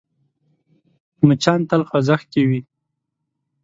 مچان تل خوځښت کې وي